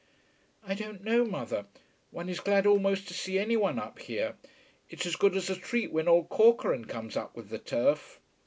"I don't know, mother. One is glad almost to see any one up here. It's as good as a treat when old Corcoran comes up with the turf."